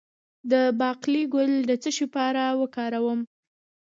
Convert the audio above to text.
د باقلي ګل د څه لپاره وکاروم؟